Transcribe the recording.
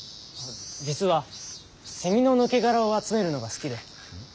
実はセミの抜け殻を集めるのが好きで。